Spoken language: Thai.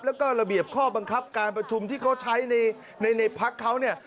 แล้วก็ระเบียบข้อบังคับการประชุมที่เขาใช้ในพักเขาเนี่ย